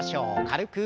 軽く。